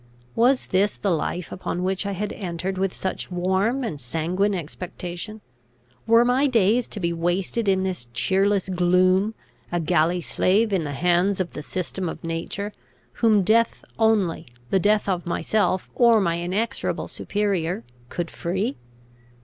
Was this the life upon which I had entered with such warm and sanguine expectation? Were my days to be wasted in this cheerless gloom; a galley slave in the hands of the system of nature, whom death only, the death of myself or my inexorable superior, could free?